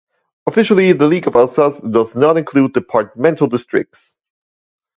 Officially, the League of Alsace does not include departmental districts.